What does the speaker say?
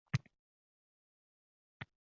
Vayron qilma